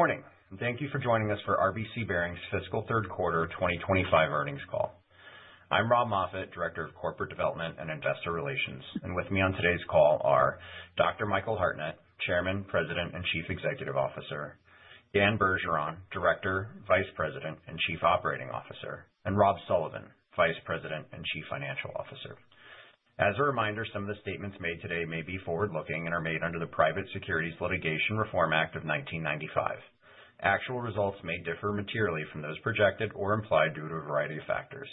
Good morning. Thank you for joining us for RBC Bearings' fiscal third quarter 2025 earnings call. I'm Rob Moffatt, Director of Corporate Development and Investor Relations, and with me on today's call are Dr. Michael Hartnett, Chairman, President, and Chief Executive Officer, Dan Bergeron, Director, Vice President, and Chief Operating Officer, and Rob Sullivan, Vice President and Chief Financial Officer.As a reminder, some of the statements made today may be forward-looking and are made under the Private Securities Litigation Reform Act of 1995. Actual results may differ materially from those projected or implied due to a variety of factors.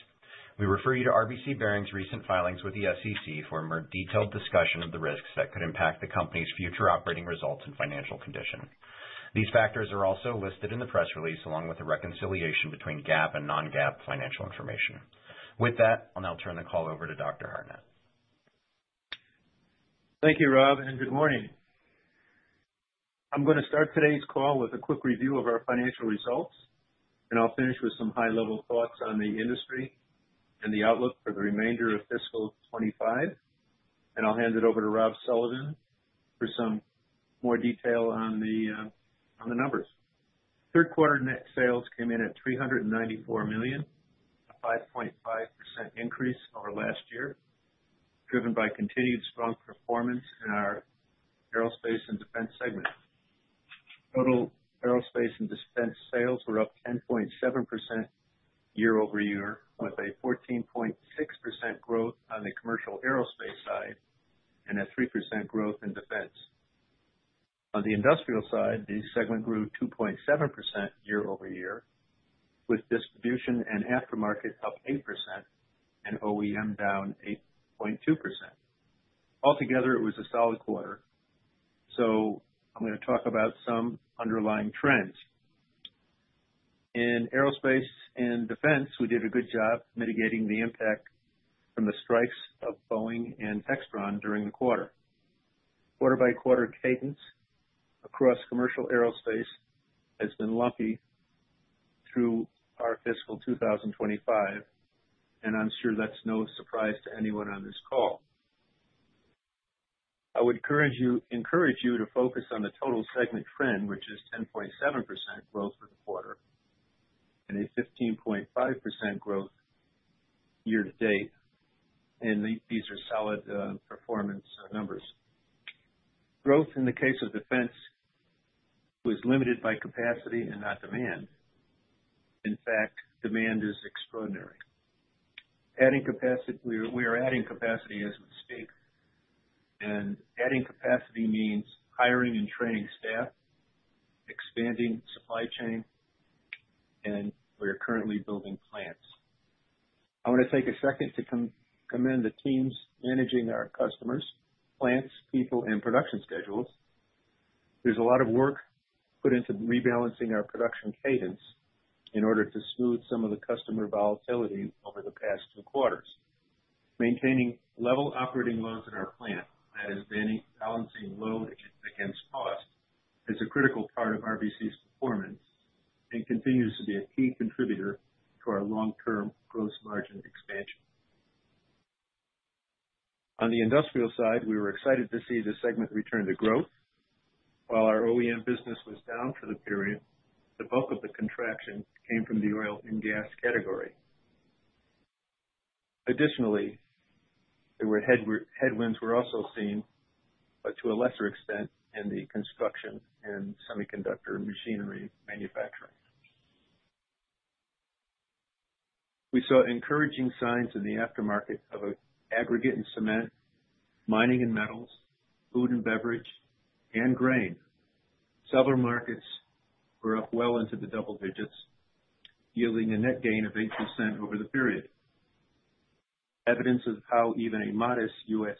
We refer you to RBC Bearings' recent filings with the SEC for a more detailed discussion of the risks that could impact the company's future operating results and financial condition. These factors are also listed in the press release along with the reconciliation between GAAP and non-GAAP financial information. With that, I'll now turn the call over to Dr. Hartnett. Thank you, Rob, and good morning. I'm going to start today's call with a quick review of our financial results, and I'll finish with some high-level thoughts on the industry and the outlook for the remainder of Fiscal 2025, and I'll hand it over to Rob Sullivan for some more detail on the numbers. Third-quarter net sales came in at $394 million, a 5.5% increase over last year, driven by continued strong performance in our aerospace and defense segment. Total aerospace and defense sales were up 10.7% year-over-year, with a 14.6% growth on the commercial aerospace side and a 3% growth in defense. On the industrial side, the segment grew 2.7% year-over-year, with distribution and aftermarket up 8% and OEM down 8.2%. Altogether, it was a solid quarter, so I'm going to talk about some underlying trends. In aerospace and defense, we did a good job mitigating the impact from the strikes of Boeing and Textron during the quarter. Quarter-by-quarter cadence across commercial aerospace has been lumpy through our Fiscal 2025, and I'm sure that's no surprise to anyone on this call. I would encourage you to focus on the total segment trend, which is 10.7% growth for the quarter and a 15.5% growth year-to-date, and these are solid performance numbers. Growth in the case of defense was limited by capacity and not demand. In fact, demand is extraordinary. We are adding capacity as we speak, and adding capacity means hiring and training staff, expanding supply chain, and we are currently building plants. I want to take a second to commend the teams managing our customers, plants, people, and production schedules. There's a lot of work put into rebalancing our production cadence in order to smooth some of the customer volatility over the past two quarters. Maintaining level operating loads in our plant, that is, balancing load against cost, is a critical part of RBC's performance and continues to be a key contributor to our long-term gross margin expansion. On the industrial side, we were excited to see the segment return to growth. While our OEM business was down for the period, the bulk of the contraction came from the oil and gas category. Additionally, headwinds were also seen, but to a lesser extent, in the construction and semiconductor machinery manufacturing. We saw encouraging signs in the aftermarket of aggregate and cement, mining and metals, food and beverage, and grain. Several markets were up well into the double digits, yielding a net gain of 8% over the period. Evidence of how even a modest U.S.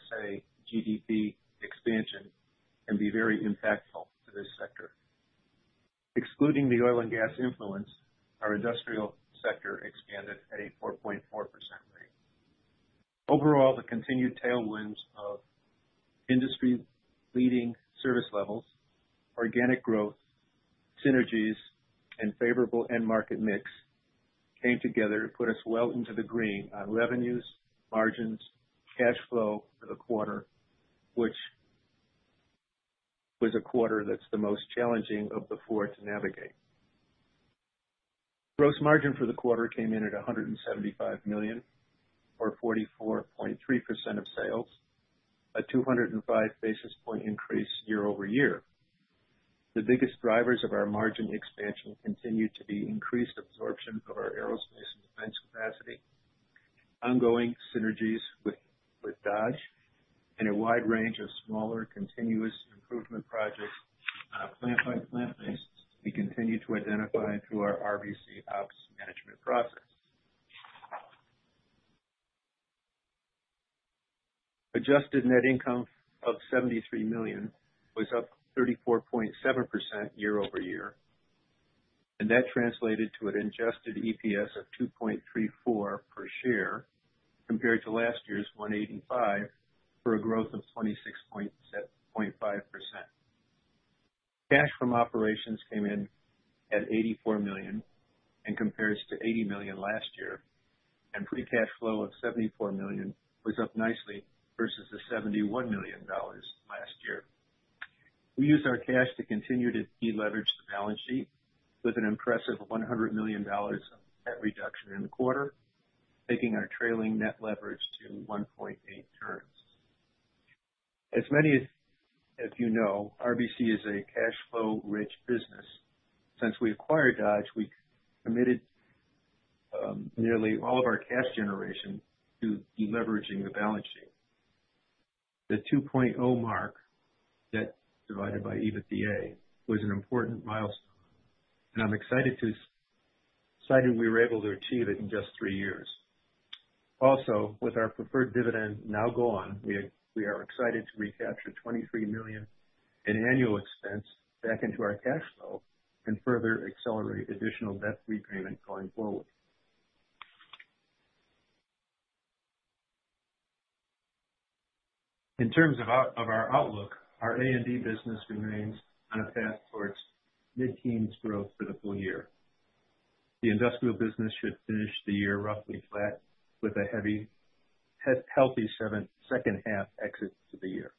GDP expansion can be very impactful to this sector. Excluding the oil and gas influence, our industrial sector expanded at a 4.4% rate. Overall, the continued tailwinds of industry-leading service levels, organic growth, synergies, and favorable end-market mix came together to put us well into the green on revenues, margins, cash flow for the quarter, which was a quarter that's the most challenging of the four to navigate. Gross margin for the quarter came in at $175 million, or 44.3% of sales, a 205 basis points increase year-over-year. The biggest drivers of our margin expansion continue to be increased absorption of our aerospace and defense capacity, ongoing synergies with Dodge, and a wide range of smaller continuous improvement projects plant-by-plant basis we continue to identify through our RBC Ops management process. Adjusted net income of $73 million was up 34.7% year-over-year, and that translated to an adjusted EPS of $2.34 per share compared to last year's $1.85 for a growth of 26.5%. Cash from operations came in at $84 million and compares to $80 million last year, and free cash flow of $74 million was up nicely versus the $71 million last year. We used our cash to continue to deleverage the balance sheet with an impressive $100 million net reduction in the quarter, taking our trailing net leverage to 1.8 turns. As many of you know, RBC is a cash flow-rich business. Since we acquired Dodge, we committed nearly all of our cash generation to deleveraging the balance sheet. The 2.0 mark that divided by EBITDA was an important milestone, and I'm excited we were able to achieve it in just three years. Also, with our preferred dividend now gone, we are excited to recapture $23 million in annual expense back into our cash flow and further accelerate additional debt repayment going forward. In terms of our outlook, our A&D business remains on a path towards mid-teens growth for the full year. The industrial business should finish the year roughly flat with a healthy second half exit to the year.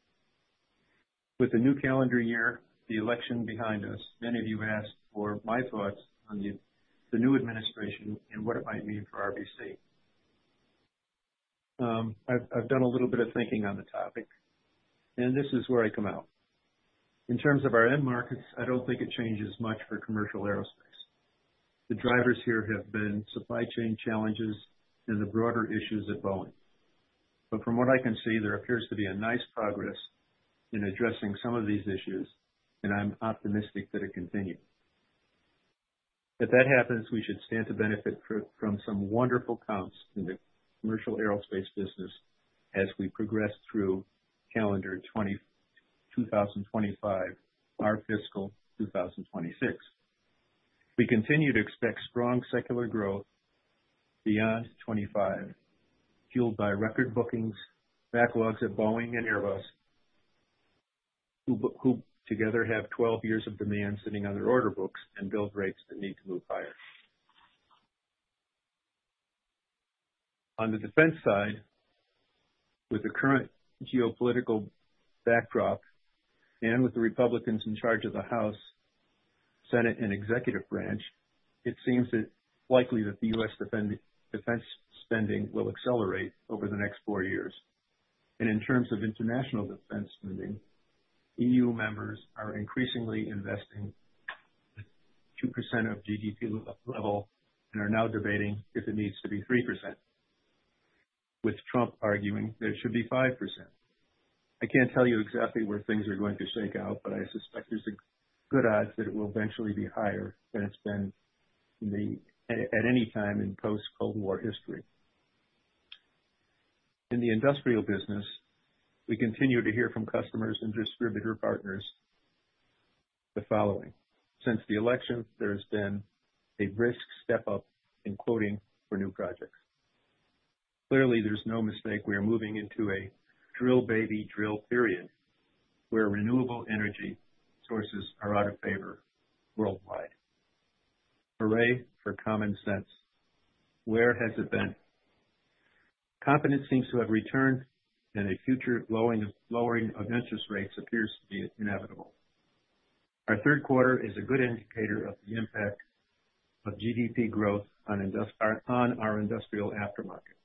With the new calendar year, the election behind us, many of you asked for my thoughts on the new administration and what it might mean for RBC. I've done a little bit of thinking on the topic, and this is where I come out. In terms of our end markets, I don't think it changes much for commercial aerospace. The drivers here have been supply chain challenges and the broader issues at Boeing. But from what I can see, there appears to be a nice progress in addressing some of these issues, and I'm optimistic that it continues. If that happens, we should stand to benefit from some wonderful counts in the commercial aerospace business as we progress through calendar 2025, our fiscal 2026. We continue to expect strong secular growth beyond 2025, fueled by record bookings, backlogs at Boeing and Airbus, who together have 12 years of demand sitting on their order books and build rates that need to move higher. On the defense side, with the current geopolitical backdrop and with the Republicans in charge of the House, Senate, and executive branch, it seems likely that the U.S. defense spending will accelerate over the next four years. And in terms of international defense spending, EU members are increasingly investing 2% of GDP level and are now debating if it needs to be 3%, with Trump arguing there should be 5%. I can't tell you exactly where things are going to shake out, but I suspect there's a good odds that it will eventually be higher than it's been at any time in post-Cold War history. In the industrial business, we continue to hear from customers and distributor partners the following: since the election, there has been a brisk step up in quoting for new projects. Clearly, there's no mistake. We are moving into a drill baby drill period where renewable energy sources are out of favor worldwide. Hooray for common sense. Where has it been? Confidence seems to have returned, and a future lowering of interest rates appears to be inevitable. Our third quarter is a good indicator of the impact of GDP growth on our industrial aftermarket.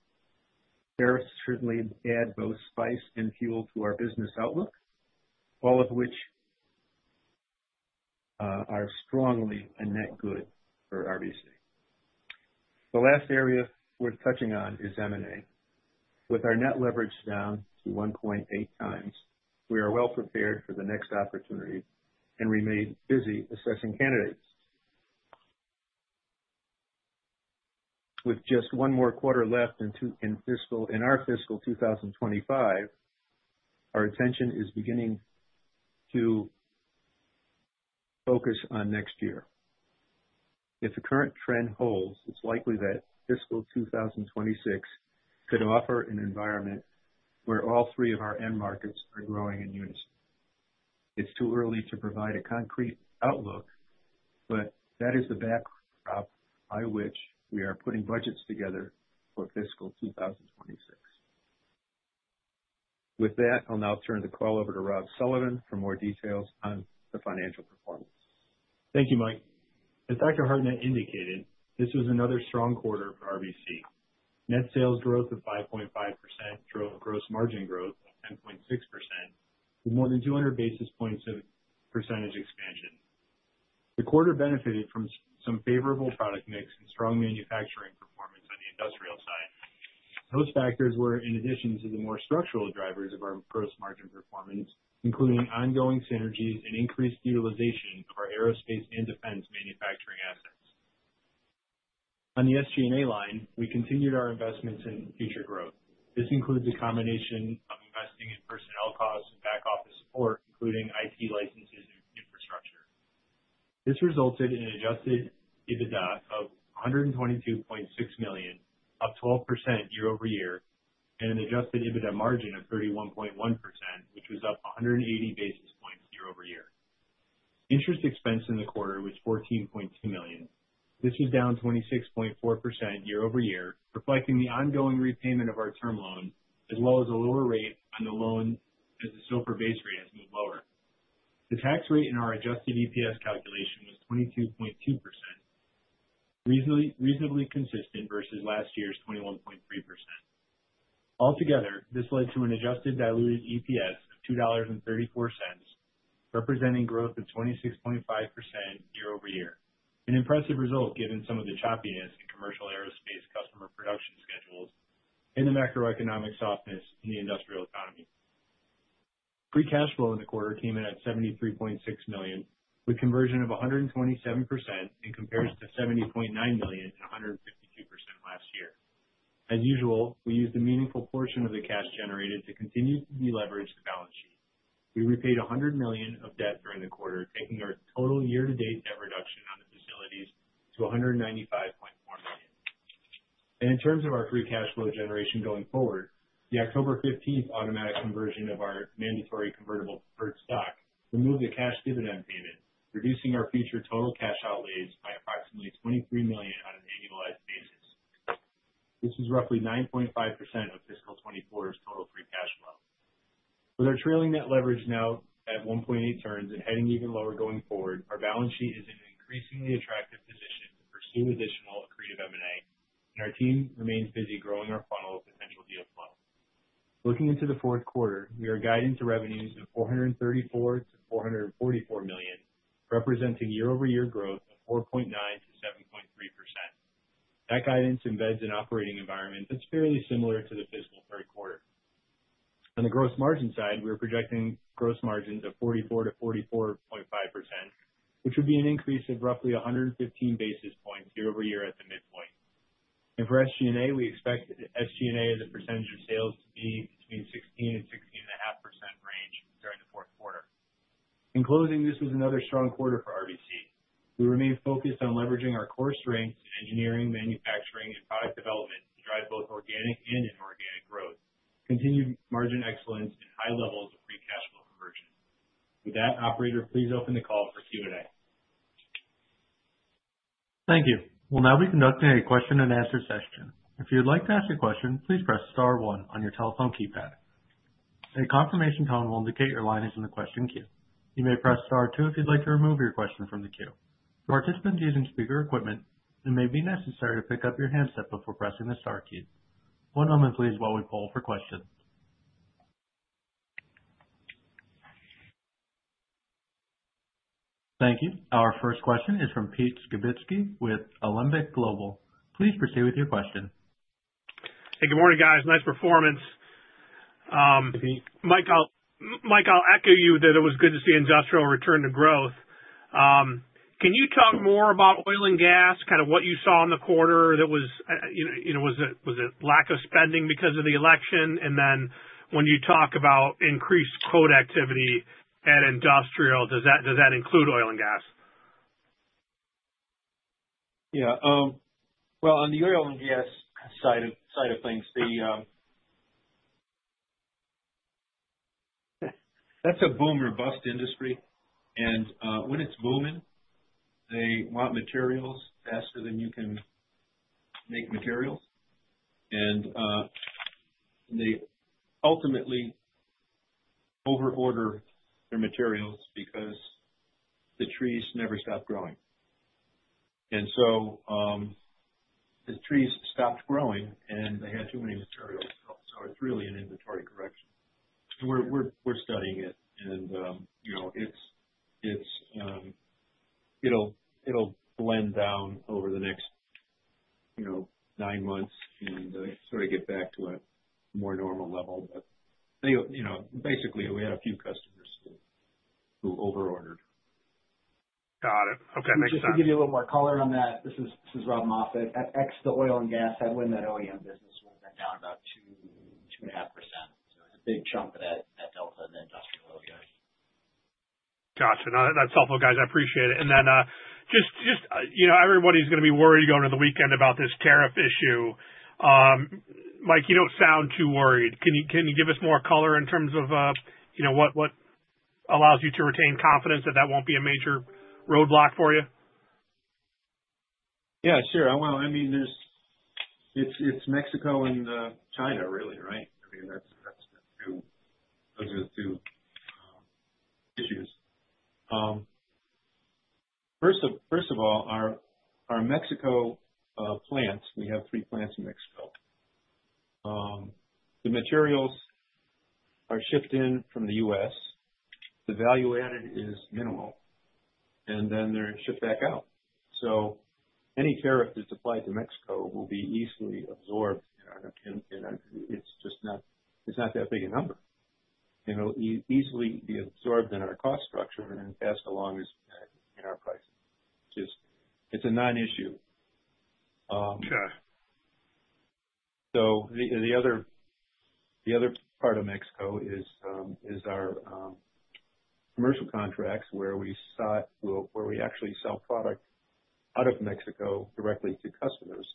Tariffs certainly add both spice and fuel to our business outlook, all of which are strongly a net good for RBC. The last area we're touching on is M&A. With our net leverage down to 1.8 times, we are well prepared for the next opportunity, and we may be busy assessing candidates. With just one more quarter left in our fiscal 2025, our attention is beginning to focus on next year. If the current trend holds, it's likely that fiscal 2026 could offer an environment where all three of our end markets are growing in unison. It's too early to provide a concrete outlook, but that is the backdrop by which we are putting budgets together for fiscal 2026.With that, I'll now turn the call over to Rob Sullivan for more details on the financial performance. Thank you, Mike. As Dr. Hartnett indicated, this was another strong quarter for RBC. Net sales growth of 5.5%, gross margin growth of 10.6%, with more than 200 basis points of percentage expansion. The quarter benefited from some favorable product mix and strong manufacturing performance on the industrial side. Those factors were, in addition to the more structural drivers of our gross margin performance, including ongoing synergies and increased utilization of our aerospace and defense manufacturing assets. On the SG&A line, we continued our investments in future growth. This includes a combination of investing in personnel costs and back-office support, including IT licenses and infrastructure. This resulted in an adjusted EBITDA of $122.6 million, up 12% year-over-year, and an adjusted EBITDA margin of 31.1%, which was up 180 basis points year-over-year. Interest expense in the quarter was $14.2 million. This was down 26.4% year-over-year, reflecting the ongoing repayment of our term loan, as well as a lower rate on the loan as the SOFR base rate has moved lower. The tax rate in our adjusted EPS calculation was 22.2%, reasonably consistent versus last year's 21.3%. Altogether, this led to an adjusted diluted EPS of $2.34, representing growth of 26.5% year-over-year. An impressive result given some of the choppiness in commercial aerospace customer production schedules and the macroeconomic softness in the industrial economy. Free cash flow in the quarter came in at $73.6 million, with conversion of 127% in comparison to $70.9 million and 152% last year. As usual, we used a meaningful portion of the cash generated to continue to deleverage the balance sheet. We repaid $100 million of debt during the quarter, taking our total year-to-date debt reduction on the facilities to $195.4 million. In terms of our free cash flow generation going forward, the October 15 automatic conversion of our mandatory convertible preferred stock removed the cash dividend payment, reducing our future total cash outlays by approximately $23 million on an annualized basis. This was roughly 9.5% of Fiscal 2024's total free cash flow. With our trailing net leverage now at 1.8 turns and heading even lower going forward, our balance sheet is in an increasingly attractive position to pursue additional accretive M&A, and our team remains busy growing our funnel of potential deal flow. Looking into the fourth quarter, we are guided to revenues of $434-$444 million, representing year-over-year growth of 4.9%-7.3%. That guidance embeds an operating environment that's fairly similar to the fiscal third quarter. On the gross margin side, we're projecting gross margins of 44%-44.5%, which would be an increase of roughly 115 basis points year-over-year at the midpoint. And for SG&A, we expect SG&A as a percentage of sales to be between 16%-16.5% range during the fourth quarter. In closing, this was another strong quarter for RBC. We remain focused on leveraging our core strengths in engineering, manufacturing, and product development to drive both organic and inorganic growth, continued margin excellence, and high levels of free cash flow conversion. With that, operator, please open the call for Q&A. Thank you. We'll now be conducting a question-and-answer session. If you'd like to ask a question, please press star one on your telephone keypad. A confirmation tone will indicate your line is in the question queue. You may press star two if you'd like to remove your question from the queue. Participants using speaker equipment, it may be necessary to pick up your handset before pressing the star key. One moment, please, while we pull for questions. Thank you. Our first question is from Pete Skibitski with Alembic Global. Please proceed with your question. Hey, good morning, guys. Nice performance. Mike, I'll echo you that it was good to see industrial return to growth. Can you talk more about oil and gas, kind of what you saw in the quarter that was, was it lack of spending because of the election? And then when you talk about increased quote activity at industrial, does that include oil and gas? Yeah. Well, on the oil and gas side of things, that's a boom or bust industry. And when it's booming, they want materials faster than you can make materials. And they ultimately overorder their materials because the trees never stop growing. And so the trees stopped growing, and they had too many materials. So it's really an inventory correction. We're studying it, and it'll blend down over the next nine months and sort of get back to a more normal level. But basically, we had a few customers who overordered. Got it. Okay. Makes sense. Just to give you a little more color on that, this is Rob Moffatt. Excluding the oil and gas, that wind and OEM business would have been down about 2.5%, so it's a big chunk of that delta in the industrial OEM. Gotcha. That's helpful, guys. I appreciate it. And then just everybody's going to be worried going into the weekend about this tariff issue. Mike, you don't sound too worried. Can you give us more color in terms of what allows you to retain confidence that that won't be a major roadblock for you? Yeah, sure. Well, I mean, it's Mexico and China, really, right? I mean, those are the two issues. First of all, our Mexico plants, we have three plants in Mexico. The materials are shipped in from the U.S. The value added is minimal, and then they're shipped back out. So any tariff that's applied to Mexico will be easily absorbed. It's just not that big a number. It'll easily be absorbed in our cost structure and passed along in our pricing. It's a non-issue. So the other part of Mexico is our commercial contracts where we actually sell product out of Mexico directly to customers.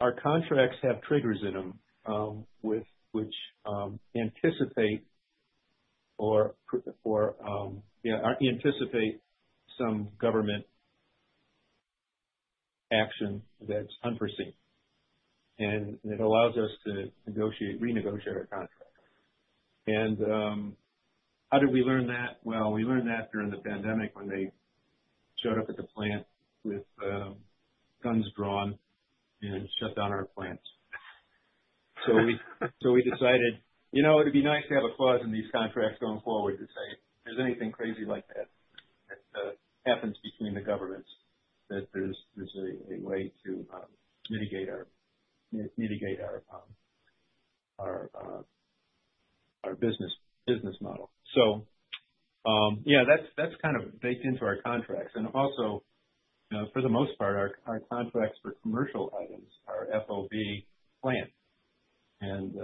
Our contracts have triggers in them which anticipate some government action that's unforeseen. And it allows us to renegotiate our contract. And how did we learn that? We learned that during the pandemic when they showed up at the plant with guns drawn and shut down our plants. So we decided, you know, it'd be nice to have a clause in these contracts going forward to say if there's anything crazy like that that happens between the governments, that there's a way to mitigate our business model. So yeah, that's kind of baked into our contracts. And also, for the most part, our contracts for commercial items are FOB plant. And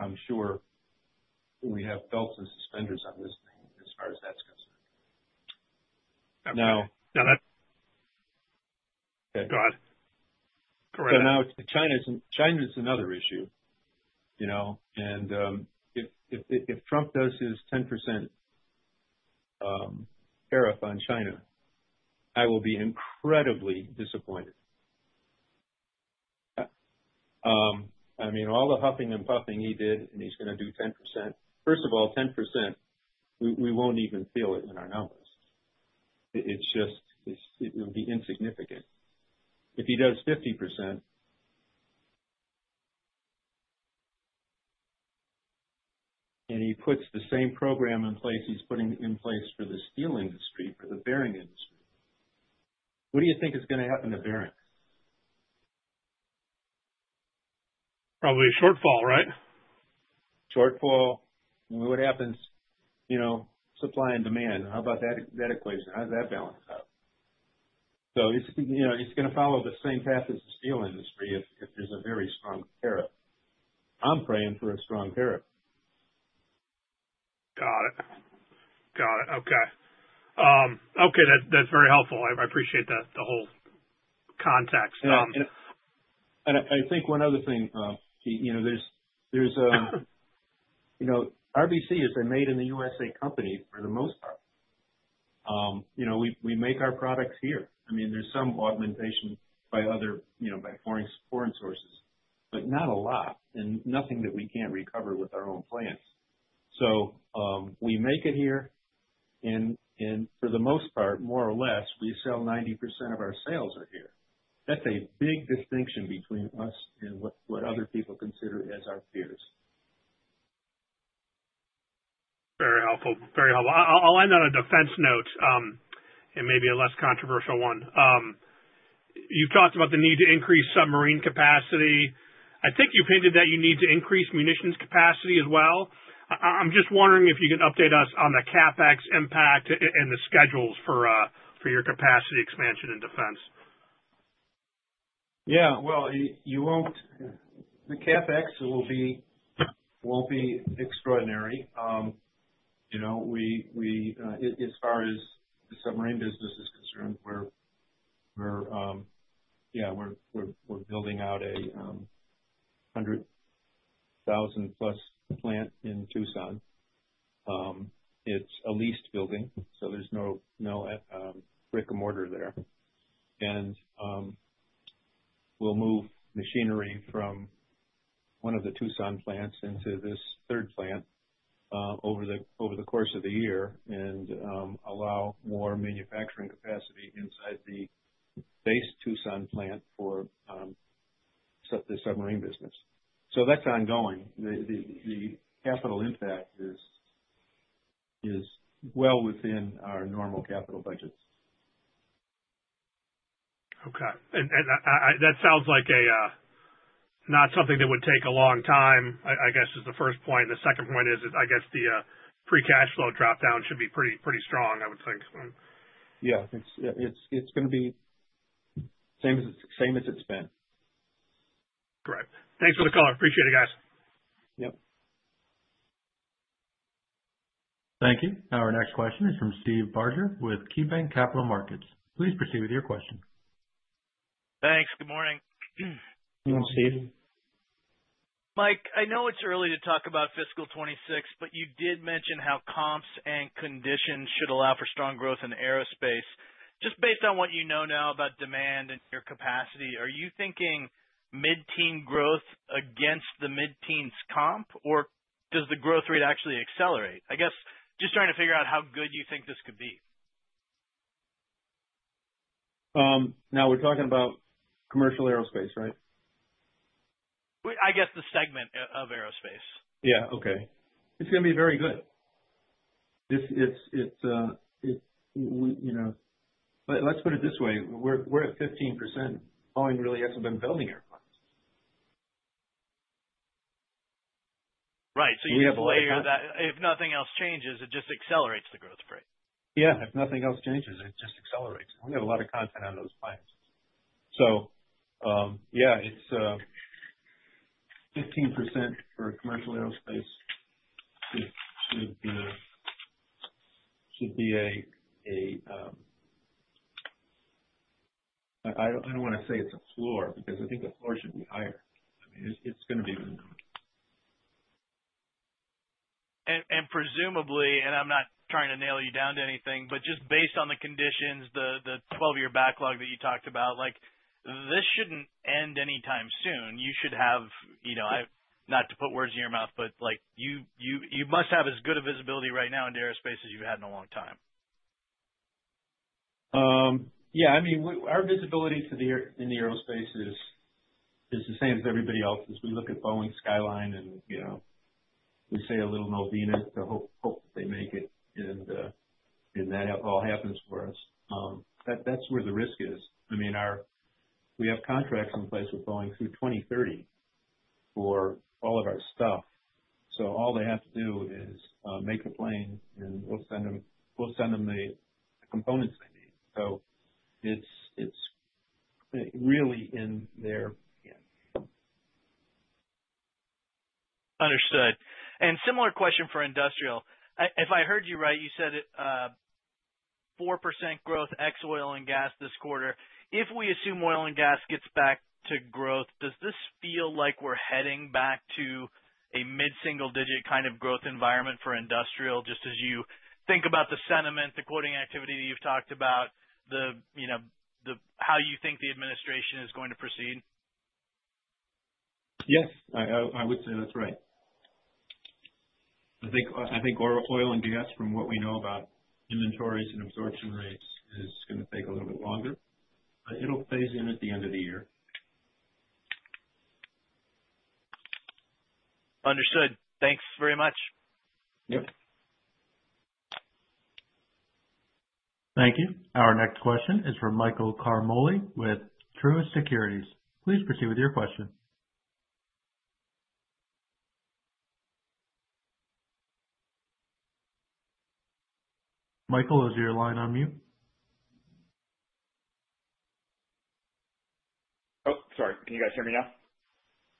I'm sure we have belts and suspenders on this thing as far as that's concerned. Now. Now. Go ahead. Now China is another issue. If Trump does his 10% tariff on China, I will be incredibly disappointed. I mean, all the huffing and puffing he did, and he's going to do 10%. First of all, 10%, we won't even feel it in our numbers. It's just it'll be insignificant. If he does 50% and he puts the same program in place he's putting in place for the steel industry, for the bearing industry, what do you think is going to happen to bearing? Probably a shortfall, right? Shortfall. And what happens? Supply and demand. How about that equation? How does that balance out? So it's going to follow the same path as the steel industry if there's a very strong tariff. I'm praying for a strong tariff. Got it. Got it. Okay. Okay. That's very helpful. I appreciate the whole context. And I think one other thing. There's RBC is a made-in-the-USA company for the most part. We make our products here. I mean, there's some augmentation by foreign sources, but not a lot and nothing that we can't recover with our own plants. So we make it here. And for the most part, more or less, we sell 90% of our sales are here. That's a big distinction between us and what other people consider as our peers. Very helpful. Very helpful. I'll end on a defense note and maybe a less controversial one. You've talked about the need to increase submarine capacity. I think you've hinted that you need to increase munitions capacity as well. I'm just wondering if you can update us on the CapEx impact and the schedules for your capacity expansion in defense? Yeah. The CapEx won't be extraordinary. As far as the submarine business is concerned, yeah, we're building out a 100,000-plus plant in Tucson. It's a leased building, so there's no brick-and-mortar there. We'll move machinery from one of the Tucson plants into this third plant over the course of the year and allow more manufacturing capacity inside the base Tucson plant for the submarine business. That's ongoing. The capital impact is well within our normal capital budgets. Okay. And that sounds like not something that would take a long time, I guess, is the first point. The second point is, I guess, the free cash flow drop down should be pretty strong, I would think. Yeah. It's going to be same as it's been. Great. Thanks for the call. Appreciate it, guys. Yep. Thank you. Our next question is from Steve Barger with KeyBanc Capital Markets. Please proceed with your question. Thanks. Good morning. Good morning, Steve. Mike, I know it's early to talk about fiscal 26, but you did mention how comps and conditions should allow for strong growth in aerospace. Just based on what you know now about demand and your capacity, are you thinking mid-teen growth against the mid-teens comp, or does the growth rate actually accelerate? I guess just trying to figure out how good you think this could be? Now we're talking about commercial aerospace, right? I guess the segment of aerospace. Yeah. Okay. It's going to be very good. Let's put it this way. We're at 15%. Boeing really hasn't been building airplanes. Right. So you just layer that. If nothing else changes, it just accelerates the growth rate. Yeah. If nothing else changes, it just accelerates. We have a lot of content on those planes. So yeah, it's 15% for commercial aerospace should be a—I don't want to say it's a floor because I think the floor should be higher. I mean, it's going to be— And presumably, and I'm not trying to nail you down to anything, but just based on the conditions, the 12-year backlog that you talked about, this shouldn't end anytime soon. You should have, not to put words in your mouth, but you must have as good a visibility right now into aerospace as you've had in a long time. Yeah. I mean, our visibility in the aerospace is the same as everybody else's. We look at Boeing kyline, and we say a little Novena to hope that they make it, and that all happens for us. That's where the risk is. I mean, we have contracts in place with Boeing through 2030 for all of our stuff. So all they have to do is make a plane, and we'll send them the components they need. So it's really in their hands. Understood. And similar question for industrial. If I heard you right, you said 4% growth ex oil and gas this quarter. If we assume oil and gas gets back to growth, does this feel like we're heading back to a mid-single-digit kind of growth environment for industrial, just as you think about the sentiment, the quoting activity that you've talked about, how you think the administration is going to proceed? Yes. I would say that's right. I think oil and gas, from what we know about inventories and absorption rates, is going to take a little bit longer. But it'll phase in at the end of the year. Understood. Thanks very much. Yep. Thank you. Our next question is from Michael Ciarmoli with Truist Securities. Please proceed with your question. Michael, is your line on mute? Oh, sorry. Can you guys hear me now?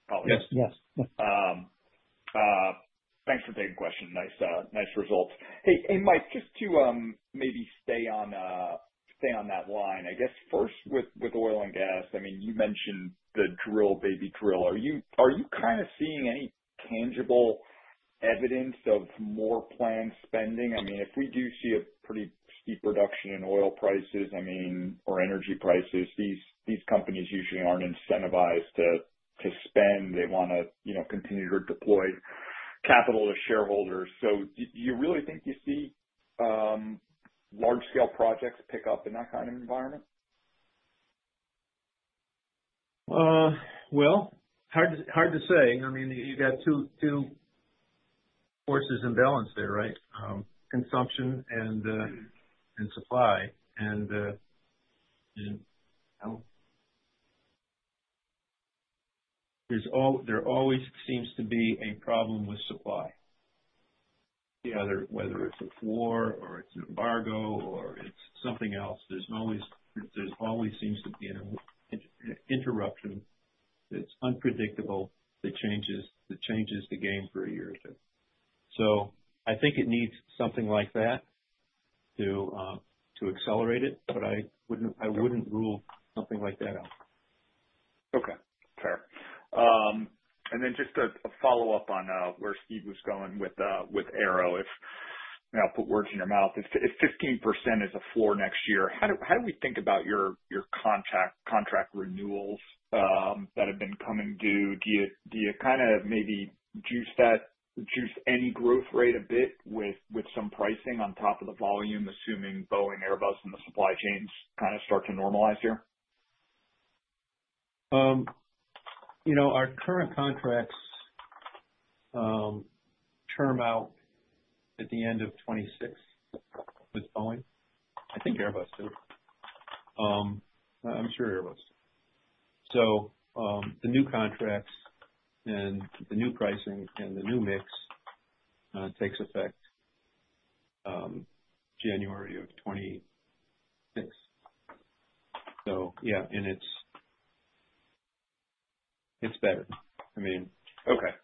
Probably. Yes. Yes. Yes. Thanks for the question. Nice results. Hey, Mike, just to maybe stay on that line, I guess first with oil and gas, I mean, you mentioned the drill, baby drill. Are you kind of seeing any tangible evidence of more planned spending? I mean, if we do see a pretty steep reduction in oil prices, I mean, or energy prices, these companies usually aren't incentivized to spend. They want to continue to deploy capital to shareholders. So do you really think you see large-scale projects pick up in that kind of environment? Well, hard to say. I mean, you got two forces in balance there, right? Consumption and supply. And there always seems to be a problem with supply. Yeah, whether it's a war or it's an embargo or it's something else, there always seems to be an interruption. It's unpredictable. It changes the game for a year or two. So I think it needs something like that to accelerate it, but I wouldn't rule something like that out. Okay. Fair. And then just to follow up on where Steve was going with Aero, if I put words in your mouth, if 15% is a floor next year, how do we think about your contract renewals that have been coming due? Do you kind of maybe juice any growth rate a bit with some pricing on top of the volume, assuming Boeing, Airbus, and the supply chains kind of start to normalize here? Our current contracts term out at the end of 2026 with Boeing. I think Airbus too. I'm sure Airbus. So the new contracts and the new pricing and the new mix takes effect January of 2026. So yeah, and it's better. I mean,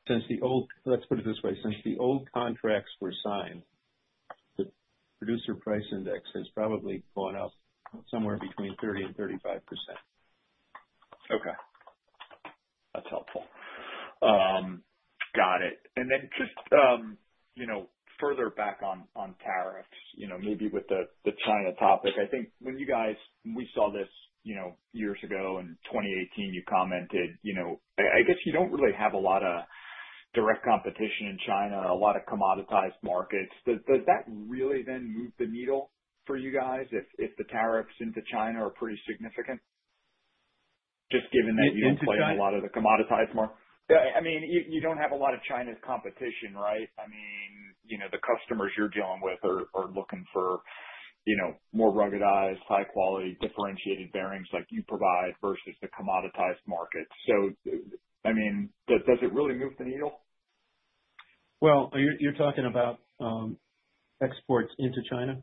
since the old, let's put it this way, since the old contracts were signed, the Producer Price Index has probably gone up somewhere between 30% and 35%. Okay. That's helpful. Got it. And then just further back on tariffs, maybe with the China topic, I think when you guys, we saw this years ago in 2018, you commented. I guess you don't really have a lot of direct competition in China, a lot of commoditized markets. Does that really then move the needle for you guys if the tariffs into China are pretty significant? Just given that you don't play in a lot of the commoditized markets. I mean, you don't have a lot of China competition, right? I mean, the customers you're dealing with are looking for more ruggedized, high-quality, differentiated bearings like you provide versus the commoditized market. So I mean, does it really move the needle? You're talking about exports into China?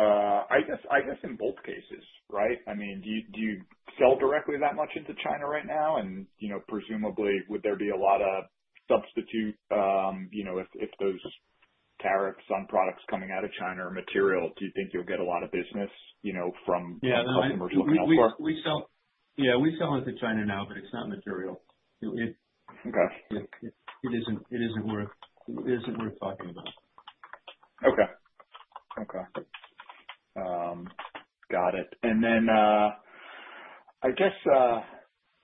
I guess in both cases, right? I mean, do you sell directly that much into China right now? And presumably, would there be a lot of substitute if those tariffs on products coming out of China are material? Do you think you'll get a lot of business from customers looking elsewhere? Yeah. We sell into China now, but it's not material. It isn't worth talking about. Okay. Okay. Got it. And then I guess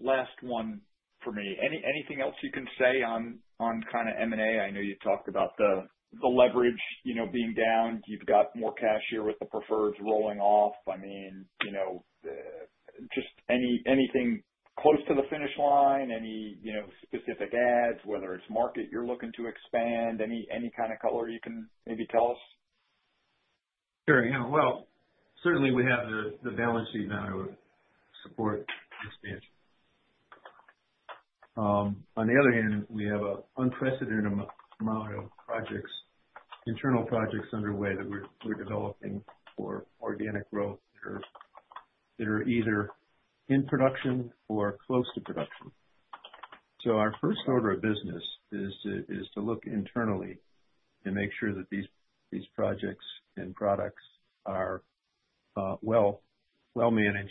last one for me. Anything else you can say on kind of M&A? I know you talked about the leverage being down. You've got more cash here with the preferreds rolling off. I mean, just anything close to the finish line, any specific ads, whether it's market you're looking to expand, any kind of color you can maybe tell us? Sure. Yeah. Well, certainly, we have the balance sheet now to support expansion. On the other hand, we have an unprecedented amount of internal projects underway that we're developing for organic growth that are either in production or close to production. So our first order of business is to look internally and make sure that these projects and products are well-managed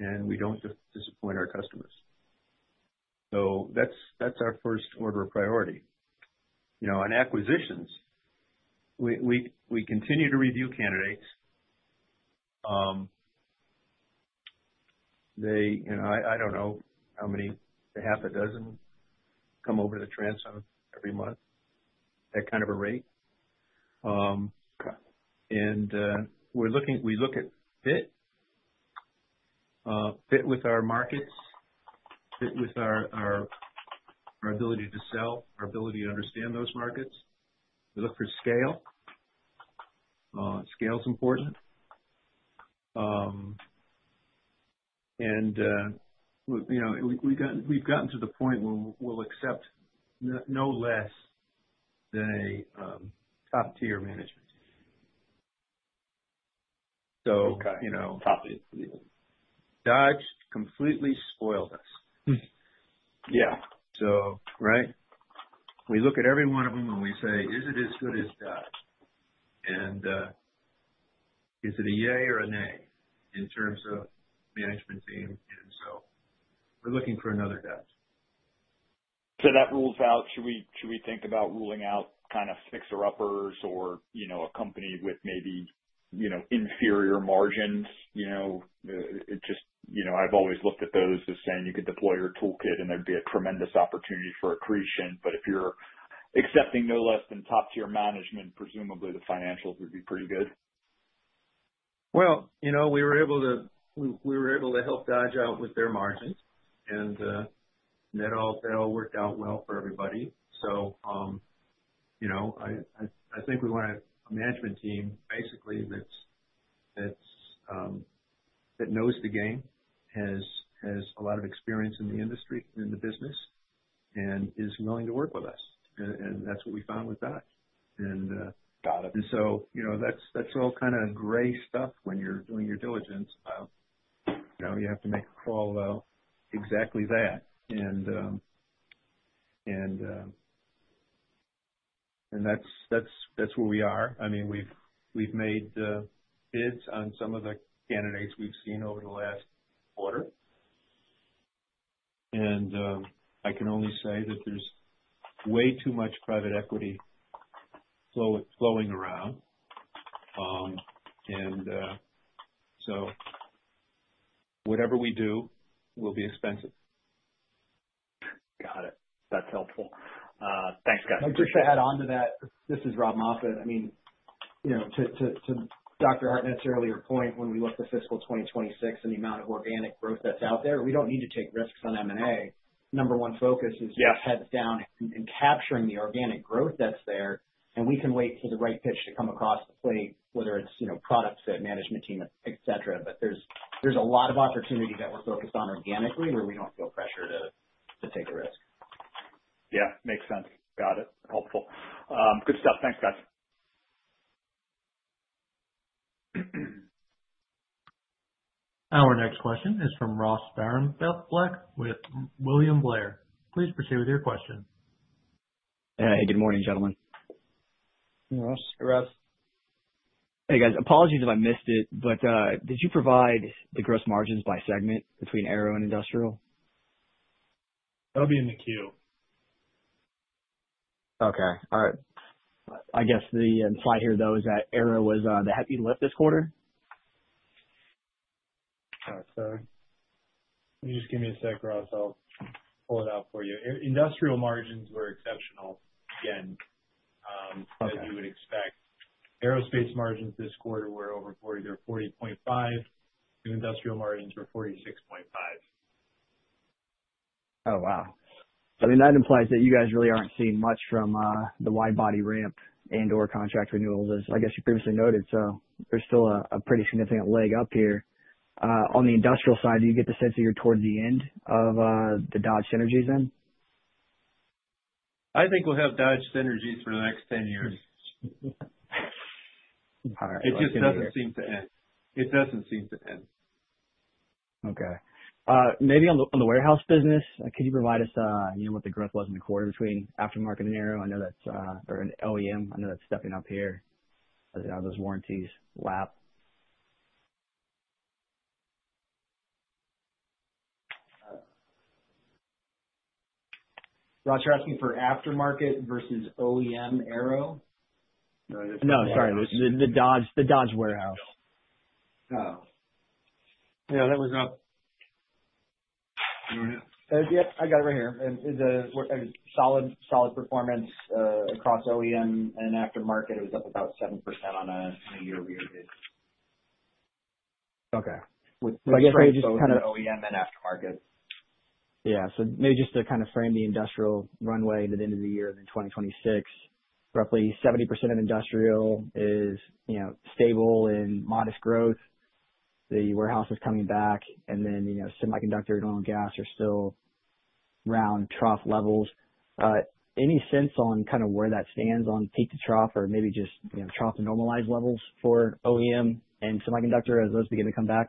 and we don't disappoint our customers. So that's our first order of priority. On acquisitions, we continue to review candidates. I don't know how many. Half a dozen come over the transom every month at kind of a rate. And we look at fit with our markets, fit with our ability to sell, our ability to understand those markets. We look for scale. Scale is important. And we've gotten to the point where we'll accept no less than a top-tier management. Okay. Top-tier management. Dodge completely spoiled us. Yeah. So, right? We look at every one of them and we say, "Is it as good as Dodge? And is it a yay or a nay in terms of management team?" And so we're looking for another Dodge. That rules out. Should we think about ruling out kind of fixer-uppers or a company with maybe inferior margins? Just, I've always looked at those as saying you could deploy your toolkit and there'd be a tremendous opportunity for accretion. But if you're accepting no less than top-tier management, presumably the financials would be pretty good. We were able to help Dodge out with their margins. That all worked out well for everybody. I think we want a management team basically that knows the game, has a lot of experience in the industry and in the business, and is willing to work with us. That's what we found with Dodge. Got it. And so that's all kind of gray stuff when you're doing your diligence. You have to make a call about exactly that. And that's where we are. I mean, we've made bids on some of the candidates we've seen over the last quarter. And I can only say that there's way too much private equity flowing around. And so whatever we do will be expensive. Got it. That's helpful. Thanks, guys. I just want to add on to that. This is Rob Moffatt. I mean, to Dr. Hartnett's earlier point, when we look at the fiscal 2026 and the amount of organic growth that's out there, we don't need to take risks on M&A. Number one focus is just heads down and capturing the organic growth that's there. And we can wait for the right pitch to come across the plate, whether it's products that management team, etc. But there's a lot of opportunity that we're focused on organically where we don't feel pressured to take a risk. Yeah. Makes sense. Got it. Helpful. Good stuff. Thanks, guys. Our next question is from Ross Sparenblek with William Blair Please proceed with your question. Hey. Good morning, gentlemen. Hey, Ross. Hey, Ross. Hey, guys. Apologies if I missed it, but did you provide the gross margins by segment between Aero and Industrial? That'll be in the queue. Okay. All right. I guess the slide here, though, is that Arrow was the heaviest this quarter. Sorry. Can you just give me a sec, Ross? I'll pull it out for you. Industrial margins were exceptional, again, as you would expect. Aerospace margins this quarter were over 40.5%. Industrial margins were 46.5%. Oh, wow. I mean, that implies that you guys really aren't seeing much from the wide-body ramp and/or contract renewals, as I guess you previously noted. So there's still a pretty significant leg up here. On the industrial side, do you get the sense that you're towards the end of the Dodge Synergies then? I think we'll have Dodge synergies for the next 10 years. It just doesn't seem to end. It doesn't seem to end. Okay. Maybe on the warehouse business, could you provide us what the growth was in the quarter between aftermarket and aero? I know that's—or OEM, I know that's stepping up here. Those warranties lap. Ross, you're asking for aftermarket versus OEM aero? No, sorry. The Dodge warehouse. Oh. Yeah. That was up. Yep. I got it right here and solid performance across OEM and aftermarket. It was up about seven% on a year-over-year basis. Okay. So I guess maybe just kind of. With the OEM and aftermarket. Yeah. So maybe just to kind of frame the industrial runway into the end of the year in 2026, roughly 70% of industrial is stable and modest growth. The warehouse is coming back. And then semiconductor and oil and gas are still around trough levels. Any sense on kind of where that stands on peak to trough or maybe just trough to normalize levels for OEM and semiconductor as those begin to come back?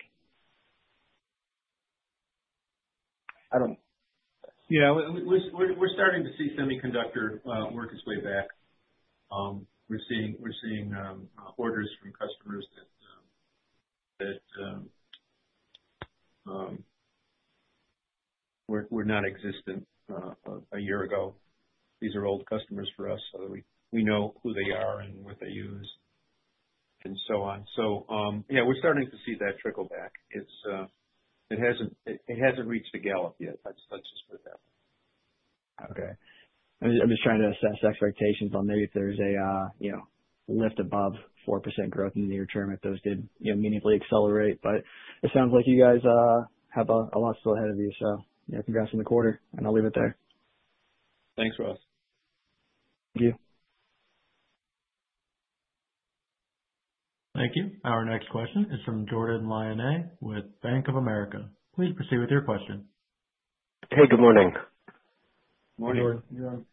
Yeah. We're starting to see semiconductor work its way back. We're seeing orders from customers that were nonexistent a year ago. These are old customers for us. So we know who they are and what they use and so on. So yeah, we're starting to see that trickle back. It hasn't reached a gallop yet. Let's just put it that way. Okay. I'm just trying to assess expectations on maybe if there's a lift above 4% growth in the near term if those did meaningfully accelerate. But it sounds like you guys have a lot still ahead of you. So congrats on the quarter. And I'll leave it there. Thanks, Ross. Thank you. Thank you. Our next question is from Jordan Lyonnais with Bank of America. Please proceed with your question. Hey. Good morning. Morning. Jordan. Jordan.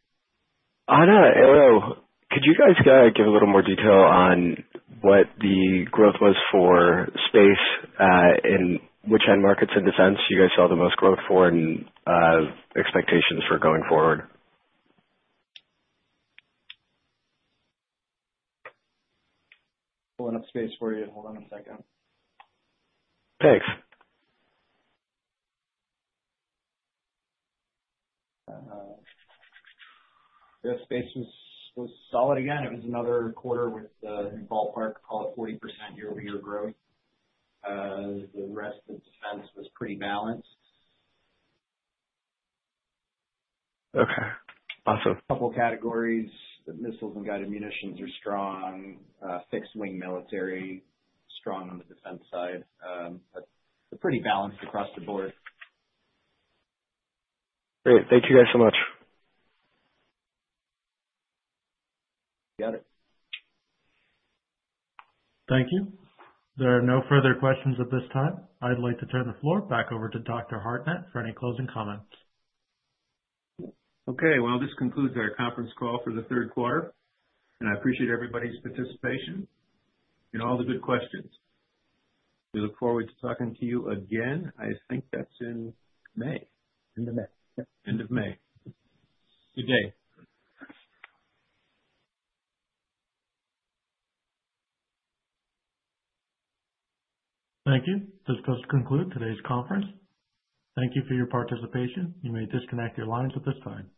On aero, could you guys give a little more detail on what the growth was for space and which end markets in defense you guys saw the most growth for and expectations for going forward? Pulling up space for you. Hold on a second. Thanks. Yeah. Space was solid again. It was another quarter with, ballpark, call it 40% year-over-year growth. The rest of defense was pretty balanced. Okay. Awesome. A couple of categories. Missiles and guided munitions are strong. Fixed-wing military strong on the defense side. But pretty balanced across the board. Great. Thank you guys so much. Got it. Thank you. There are no further questions at this time. I'd like to turn the floor back over to Dr. Hartnett for any closing comments. Okay. Well, this concludes our conference call for the third quarter. And I appreciate everybody's participation and all the good questions. We look forward to talking to you again. I think that's in May. End of May. End of May. Good day. Thank you. This does conclude today's conference. Thank you for your participation. You may disconnect your lines at this time.